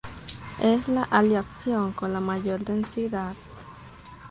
Es la aleación con la mayor densidad.